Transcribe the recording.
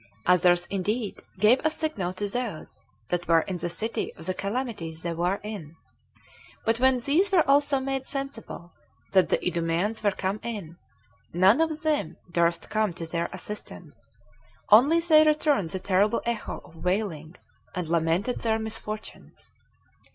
Others, indeed, gave a signal to those that were in the city of the calamities they were in; but when these were also made sensible that the Idumeans were come in, none of them durst come to their assistance, only they returned the terrible echo of wailing, and lamented their misfortunes.